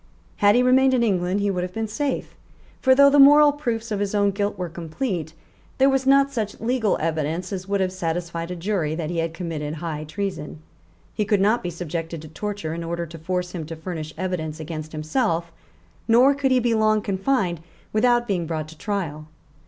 Had he remained in England he would have been safe; for, though the moral proofs of his guilt were complete, there was not such legal evidence as would have satisfied a jury that he had committed high treason; he could not be subjected to torture in order to force him to furnish evidence against himself; nor could he be long confined without being brought to trial.